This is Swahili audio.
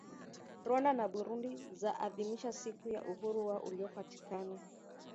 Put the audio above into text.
Rwanda na Burundi za adhimisha siku ya uhuru wao uliopatikana